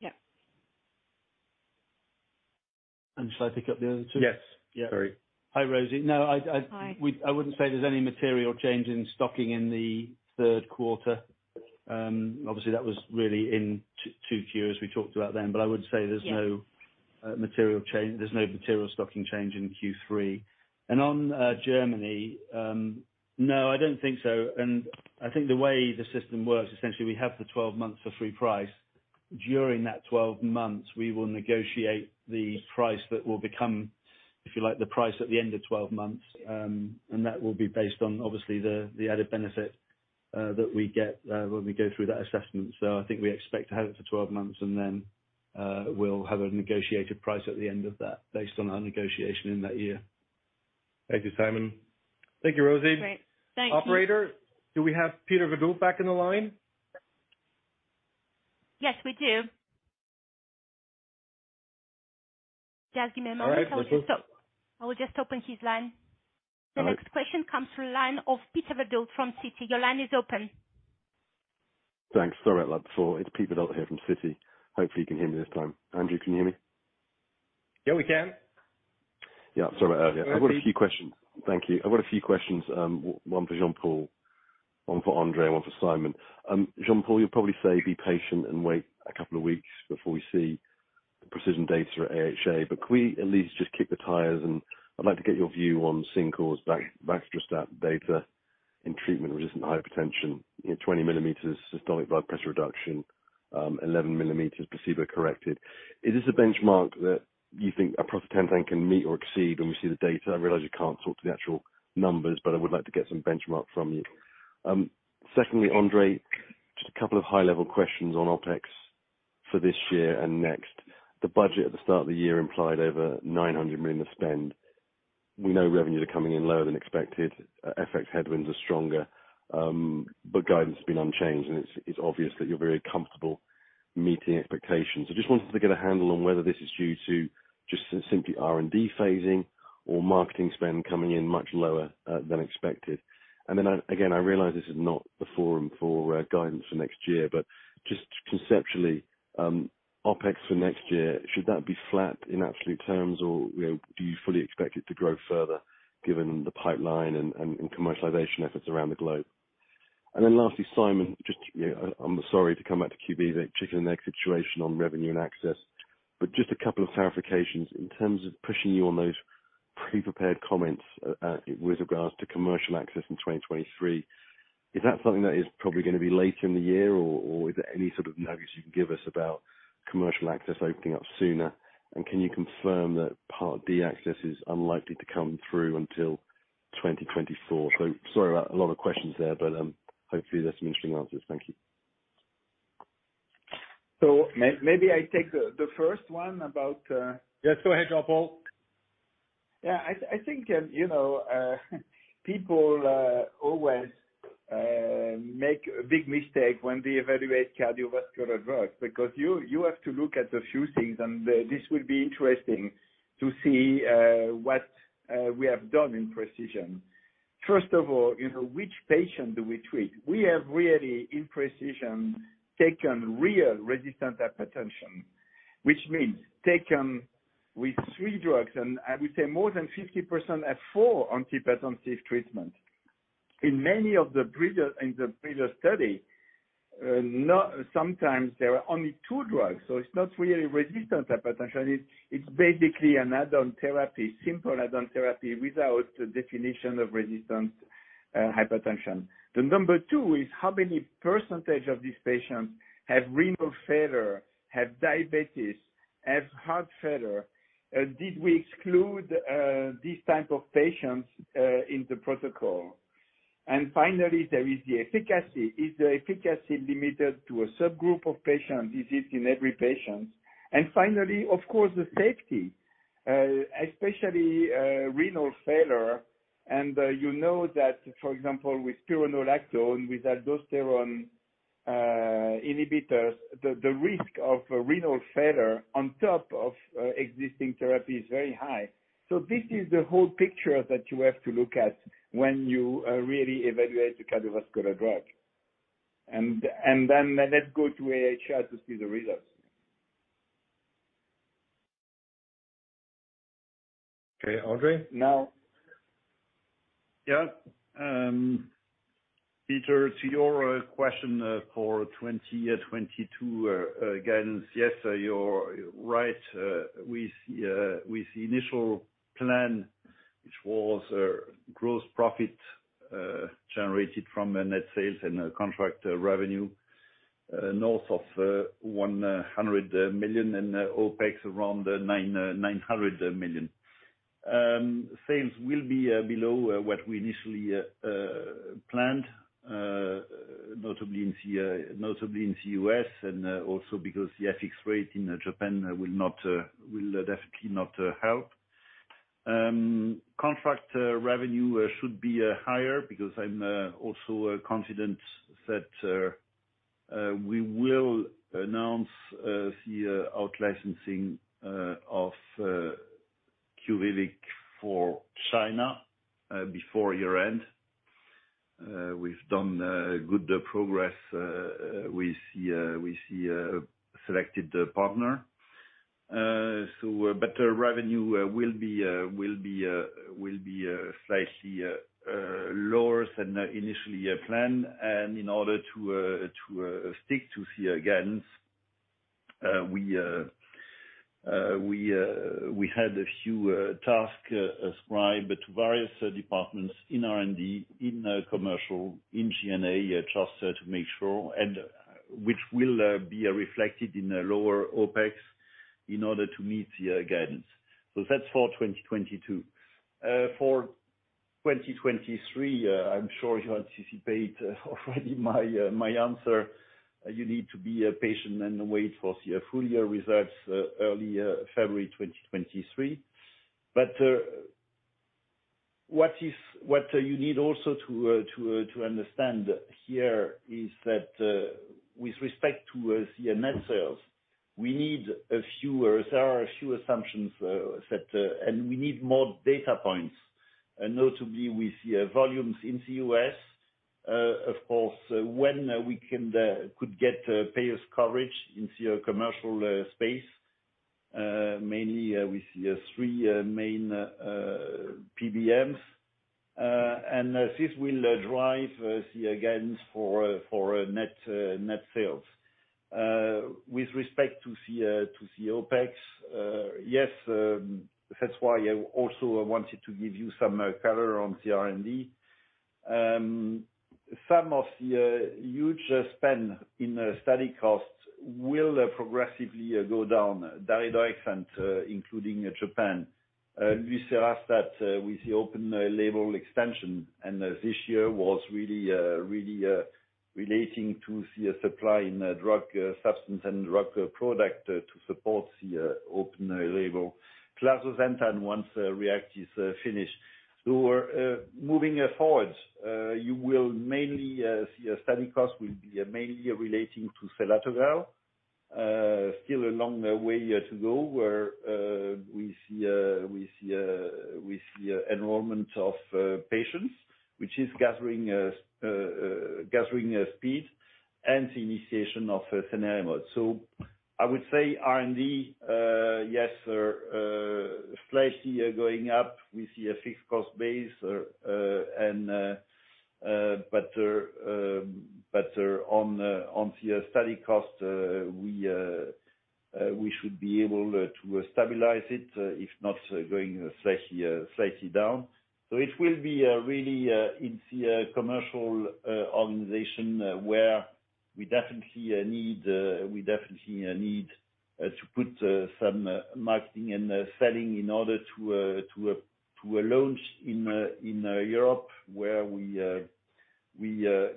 Yeah. Shall I pick up the other two? Yes. Yeah. Sorry. Hi, Rosie. No, I- Hi. I wouldn't say there's any material change in stocking in the third quarter. Obviously, that was really in two Qs we talked about then. I would say there's. Yeah. No, material change. There's no material stocking change in Q3. On Germany, no, I don't think so. I think the way the system works, essentially we have the 12 months for free price. During that 12 months, we will negotiate the price that will become, if you like, the price at the end of 12 months. That will be based on obviously the added benefit that we get when we go through that assessment. I think we expect to have it for 12 months, and then we'll have a negotiated price at the end of that based on our negotiation in that year. Thank you, Simon. Thank you, Rosie. Great. Thank you. Operator, do we have Peter Welford back in the line? Yes, we do. Just give me a moment. All right. I will just open his line. Hello? The next question comes from line of Peter Welford from Citi. Your line is open. Thanks. Sorry about that before. It's Peter Welford here from Citi. Hopefully you can hear me this time. Andrew, can you hear me? Yeah, we can. Yeah. Sorry about earlier. Hi, Pete. I've got a few questions. Thank you. I've got a few questions, one for Jean-Paul. One for André, one for Simon. Jean-Paul, you'll probably say be patient and wait a couple of weeks before we see PRECISION data at AHA. Could we at least just kick the tires, and I'd like to get your view on CinCor's baxdrostat data in treatment-resistant hypertension in 20 mm systolic blood pressure reduction, 11 mm placebo corrected. Is this a benchmark that you think aprocitentan can meet or exceed when we see the data? I realize you can't talk to the actual numbers, but I would like to get some benchmark from you. Secondly, André, just a couple of high-level questions on OpEx for this year and next. The budget at the start of the year implied over 900 million of spend. We know revenues are coming in lower than expected. FX headwinds are stronger, but guidance has been unchanged, and it's obvious that you're very comfortable meeting expectations. I just wanted to get a handle on whether this is due to just simply R&D phasing or marketing spend coming in much lower than expected. I again realize this is not the forum for guidance for next year, but just conceptually, OpEx for next year, should that be flat in absolute terms, or, you know, do you fully expect it to grow further given the pipeline and commercialization efforts around the globe? Lastly, Simon, just, you know, I'm sorry to come back to QB, the chicken and egg situation on revenue and access, but just a couple of clarifications in terms of pushing you on those pre-prepared comments with regards to commercial access in 2023. Is that something that is probably gonna be later in the year, or is there any sort of notice you can give us about commercial access opening up sooner? Can you confirm that Part D access is unlikely to come through until 2024? Sorry about a lot of questions there, but hopefully there's some interesting answers. Thank you. Maybe I take the first one about. Yeah, go ahead, Jean-Paul. Yeah, I think, you know, people always make a big mistake when they evaluate cardiovascular drugs because you have to look at a few things, and this will be interesting to see what we have done in PRECISION. First of all, you know, which patient do we treat? We have really, in PRECISION, taken real resistant hypertension. Which means taken with three drugs and I would say more than 50% at four antihypertensive treatment. In many of the previous study, sometimes there are only two drugs. So it's not really resistant hypertension. It's basically an add-on therapy, simple add-on therapy without the definition of resistant hypertension. Then number two is how many % of these patients have renal failure, have diabetes, have heart failure? Did we exclude these type of patients in the protocol? Finally, there is the efficacy. Is the efficacy limited to a subgroup of patients? Is it in every patient? Finally, of course, the safety. Especially, renal failure and, you know that, for example, with spironolactone, with aldosterone inhibitors, the risk of renal failure on top of existing therapy is very high. This is the whole picture that you have to look at when you really evaluate the cardiovascular drug. Then let's go to AHA to see the results. Okay. André? Now. Yeah. Peter, to your question for 2020 and 2022 guidance. Yes, you're right. We see initial plan, which was gross profit generated from the net sales and contract revenue north of 100 million and OpEx around 900 million. Sales will be below what we initially planned, notably in the U.S. and also because the FX rate in Japan will definitely not help. Contract revenue should be higher because I'm also confident that we will announce the out-licensing of QUVIVIQ for China before year-end. We've done good progress with the selected partner. Revenue will be slightly lower than initially planned. In order to stick to the guidance, we had a few tasks ascribed to various departments in R&D, in commercial, in G&A just to make sure and which will be reflected in the lower OpEx in order to meet the guidance. That's for 2022. For 2023, I'm sure you anticipate already my answer. You need to be patient and wait for the full year results early February 2023. What is What you need also to understand here is that with respect to the net sales, there are a few assumptions and we need more data points. Notably with the volumes in the U.S., of course, when we could get payers' coverage into your commercial space. Mainly we see three main PBMs. This will drive net sales. With respect to SG&A to OpEx, yes, that's why I also wanted to give you some color on the R&D. Some of the huge spend in the study costs will progressively go down daridorexant and including Japan. We see a spike with the open label extension, and this year was really relating to securing supply of drug substance and drug product to support the open label clazosentan, once REACT is finished. We're moving forward, you will mainly see study costs will be mainly relating to selatogrel. Still a long way to go where we see enrollment of patients, which is gathering speed and the initiation of the SCENARIO study. I would say R&D, yes, slightly going up. We see a fixed cost base, and but on the study cost, we should be able to stabilize it, if not going slightly down. It will be really in the commercial organization where we definitely need to put some marketing and selling in order to a launch in Europe, where we will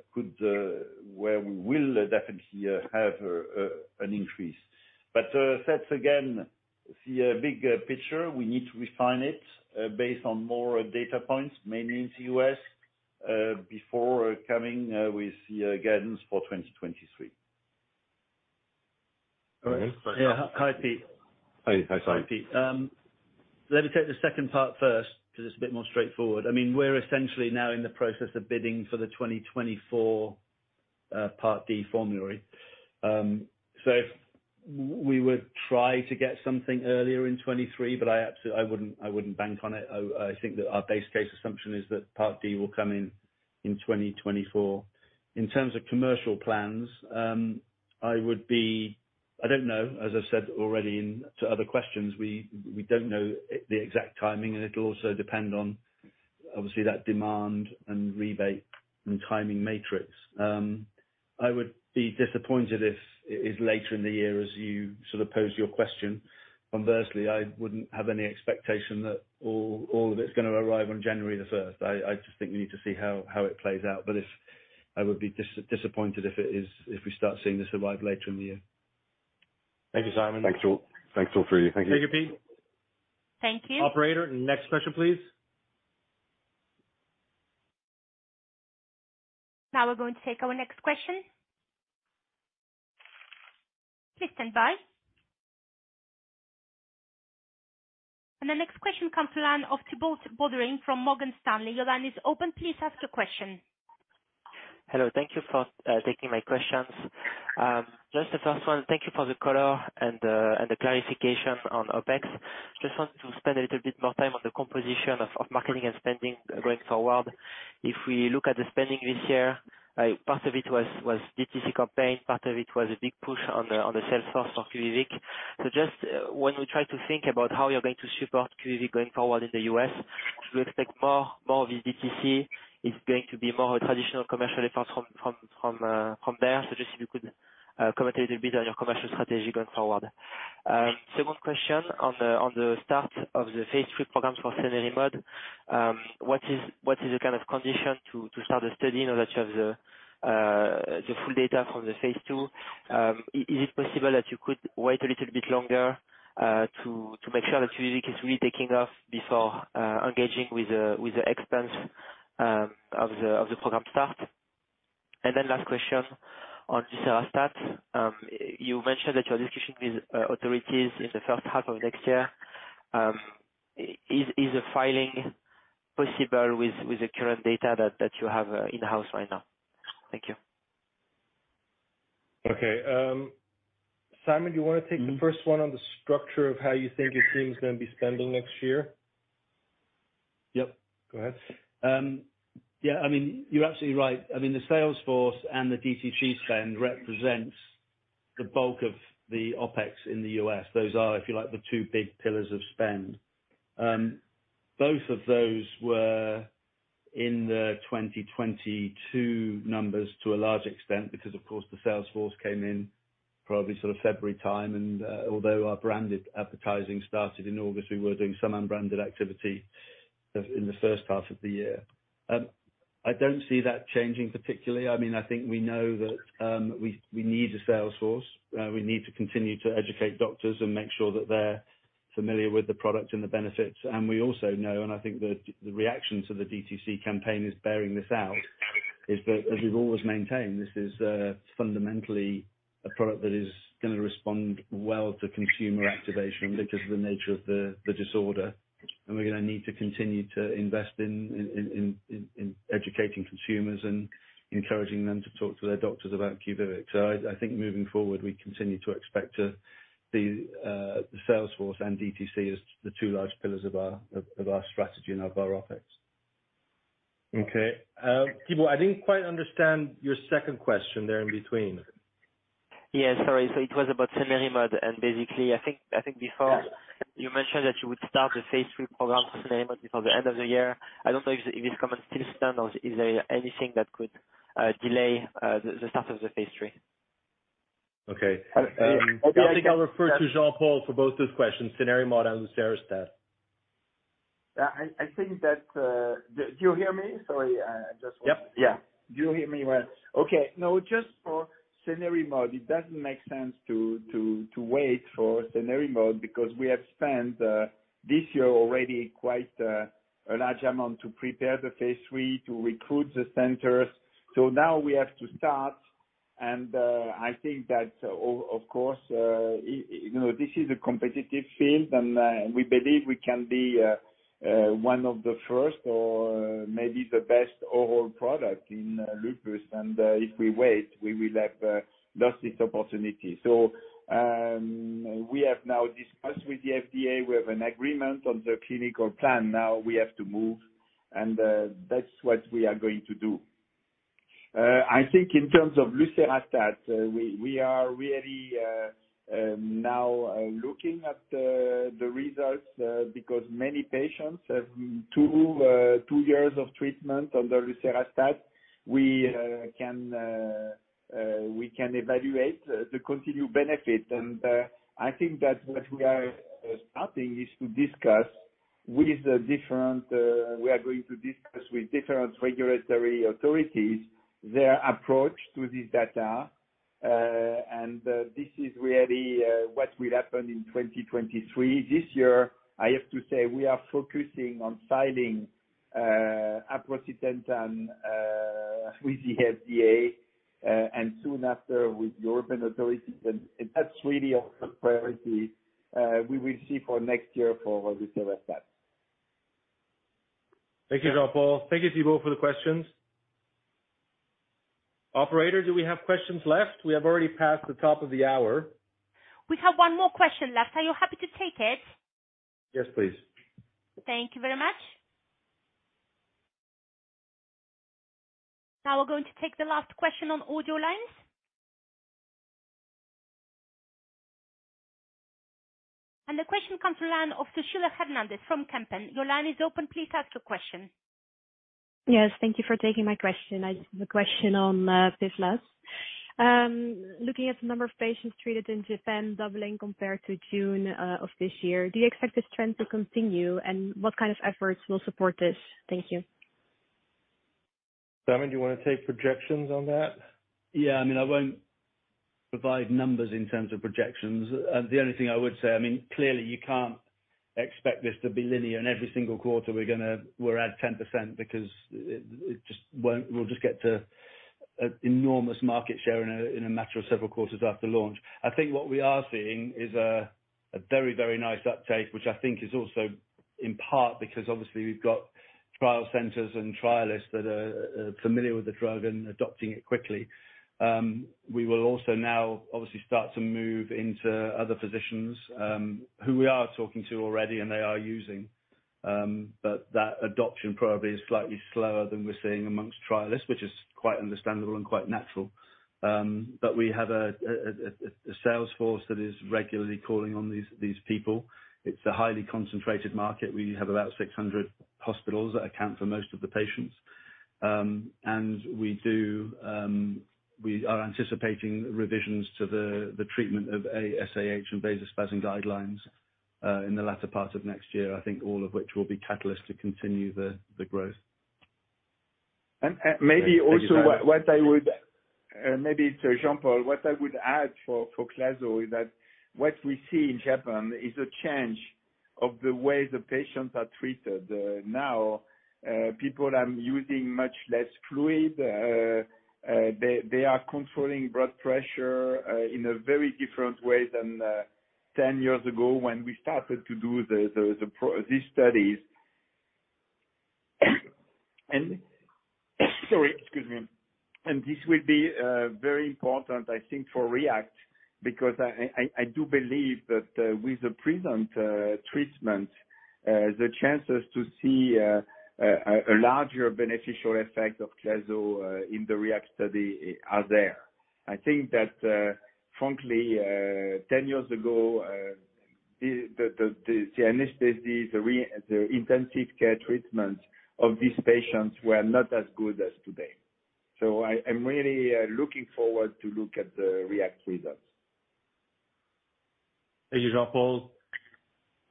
definitely have an increase. But that's again, see the big picture. We need to refine it based on more data points, mainly in the U.S., before coming with the guidance for 2023. All right. Yeah. Hi, Pete. Hi. Hi, Simon. Let me take the second part first because it's a bit more straightforward. I mean, we're essentially now in the process of bidding for the 2024 Part D formulary. So we would try to get something earlier in 2023, but I wouldn't bank on it. I think that our base case assumption is that Part D will come in 2024. In terms of commercial plans, I would be. I don't know, as I said already to other questions, we don't know the exact timing, and it'll also depend on obviously that demand and rebate and timing matrix. I would be disappointed if it is later in the year as you sort of pose your question. Conversely, I wouldn't have any expectation that all of it's gonna arrive on January 1. I just think we need to see how it plays out. I would be disappointed if we start seeing this arrive later in the year. Thank you, Simon. Thanks all. Thanks all three. Thank you. Thank you, Pete. Thank you. Operator, next question, please. Now we're going to take our next question. Please stand by. The next question comes from the line of Thibault Boutherin from Morgan Stanley. Your line is open. Please ask your question. Hello. Thank you for taking my questions. Just the first one, thank you for the color and the clarification on OPEX. Just wanted to spend a little bit more time on the composition of marketing and spending going forward. If we look at the spending this year, part of it was DTC campaign, part of it was a big push on the sales force for QUVIVIQ. Just when we try to think about how you're going to support QUVIVIQ going forward in the U.S., should we expect more of this DTC? Is it going to be more of a traditional commercial effort from there? Just if you could comment a little bit on your commercial strategy going forward. Second question on the start of the phase III program for cenerimod. What is the kind of condition to start a study now that you have the full data from the phase II? Is it possible that you could wait a little bit longer to make sure that QUVIVIQ is really taking off before engaging with the expense of the program start? Last question on selatogrel. You mentioned that you're discussing with authorities in the first half of next year. Is a filing possible with the current data that you have in-house right now? Thank you. Okay. Simon, do you wanna take the first one on the structure of how you think your team's gonna be spending next year? Yep. Go ahead. Yeah. I mean, you're absolutely right. I mean, the sales force and the DTC spend represents the bulk of the OPEX in the U.S. Those are, if you like, the two big pillars of spend. Both of those were in the 2022 numbers to a large extent because, of course, the sales force came in probably sort of February time. Although our branded advertising started in August, we were doing some unbranded activity in the first half of the year. I don't see that changing particularly. I mean, I think we know that we need a sales force. We need to continue to educate doctors and make sure that they're familiar with the product and the benefits. We also know, and I think the reaction to the DTC campaign is bearing this out, that as we've always maintained, this is fundamentally a product that is gonna respond well to consumer activation because of the nature of the disorder. We're gonna need to continue to invest in educating consumers and encouraging them to talk to their doctors about QUVIVIQ. I think moving forward, we continue to expect the sales force and DTC as the two large pillars of our strategy and of our office. Okay. Thibault, I didn't quite understand your second question there in between. Yes, sorry. It was about cenerimod, and basically, I think before. Yeah. You mentioned that you would start the phase III program for cenerimod before the end of the year. I don't know if this comment still stands, or is there anything that could delay the start of the phase III? Okay. I think. I think I'll refer to Jean-Paul for both those questions, cenerimod and lucerastat. Do you hear me? Sorry, I just want- Yep. Yeah. Do you hear me well? Okay. No, just for cenerimod, it doesn't make sense to wait for cenerimod because we have spent this year already quite a large amount to prepare the phase III, to recruit the centers. Now we have to start, and I think that of course you know, this is a competitive field and we believe we can be one of the first or maybe the best overall product in lupus. If we wait, we will have lost this opportunity. We have now discussed with the FDA. We have an agreement on the clinical plan. Now we have to move, and that's what we are going to do. I think in terms of lucerastat, we are really now looking at the results because many patients have two years of treatment under lucerastat. We can evaluate the continued benefit. I think that what we are starting is to discuss with different regulatory authorities their approach to this data. This is really what will happen in 2023. This year, I have to say, we are focusing on filing aprocitentan with the FDA and soon after with European authorities. That's really our priority, we will see for next year for lucerastat. Thank you, Jean-Paul. Thank you, Thibault, for the questions. Operator, do we have questions left? We have already passed the top of the hour. We have one more question left. Are you happy to take it? Yes, please. Thank you very much. Now we're going to take the last question on audio lines. The question comes from line of Srishti Gupta from Kempen. Your line is open. Please ask your question. Yes. Thank you for taking my question. I just have a question on PIVLAZ. Looking at the number of patients treated in Japan doubling compared to June of this year, do you expect this trend to continue, and what kind of efforts will support this? Thank you. Simon, do you wanna take projections on that? Yeah. I mean, I won't provide numbers in terms of projections. The only thing I would say, I mean, clearly you can't expect this to be linear and every single quarter we're at 10% because it just won't. We'll just get to an enormous market share in a matter of several quarters after launch. I think what we are seeing is a very, very nice uptake, which I think is also in part because obviously we've got trial centers and trialists that are familiar with the drug and adopting it quickly. We will also now obviously start to move into other physicians who we are talking to already and they are using. But that adoption probably is slightly slower than we're seeing amongst trialists, which is quite understandable and quite natural. We have a sales force that is regularly calling on these people. It's a highly concentrated market. We have about 600 hospitals that account for most of the patients. We are anticipating revisions to the treatment of aSAH and vasospasm guidelines in the latter part of next year. I think all of which will be catalyst to continue the growth. Maybe to Jean-Paul. What I would add for clazosentan is that what we see in Japan is a change of the way the patients are treated. Now, people are using much less fluid. They are controlling blood pressure in a very different way than ten years ago when we started to do these studies. Sorry, excuse me. This will be very important, I think, for REACT because I do believe that with the present treatment the chances to see a larger beneficial effect of clazosentan in the REACT study are there. I think that frankly 10 years ago the CNS disease the intensive care treatment of these patients were not as good as today. I'm really looking forward to look at the REACT results. Thank you, Jean-Paul.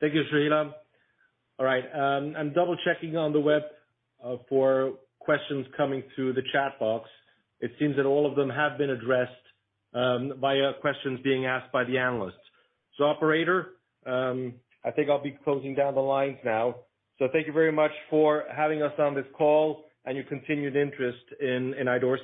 Thank you, Srishti. All right. I'm double-checking on the web for questions coming through the chat box. It seems that all of them have been addressed via questions being asked by the analysts. Operator, I think I'll be closing down the lines now. Thank you very much for having us on this call and your continued interest in Idorsia.